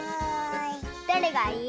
どれがいい？